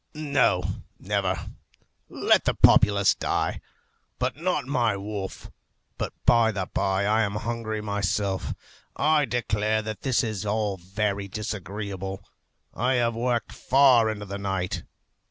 No, never! Let the populace die, but not my wolf. But by the bye I am hungry myself. I declare that this is all very disagreeable. I have worked far into the night.